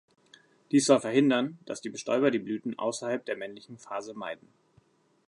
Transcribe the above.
Dis soll verhindern, dass die Bestäuber die Blüten außerhalb der männlichen Phase meiden.